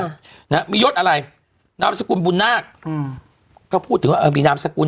นะฮะมียศอะไรนามสกุลบุญนาคอืมก็พูดถึงว่าเออมีนามสกุล